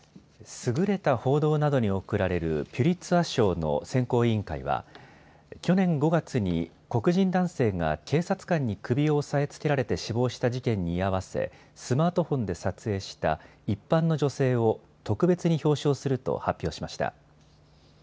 優れた報道などに贈られるピュリツァー賞の選考委員会は去年５月に黒人男性が警察官に首を押さえつけられて死亡した事件に居合わせスマートフォンで撮影した一般の女性を特別に表彰すると発表しました。